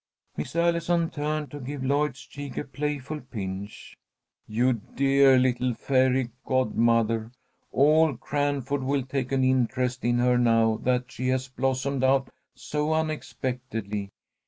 Miss Allison turned to give Lloyd's cheek a playful pinch. "You dear little fairy godmother! All Cranford will take an interest in her, now that she has blossomed out so unexpectedly.